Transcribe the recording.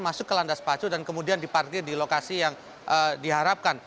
masuk ke landas pacu dan kemudian diparkir di lokasi yang diharapkan